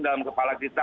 dalam kepala kita